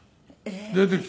出てきて。